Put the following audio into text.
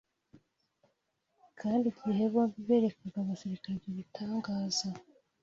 Kandi igihe bombi berekaga Abisirayeli ibyo bitangaza